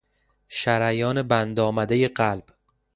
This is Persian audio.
شریان بند آمدهی قلب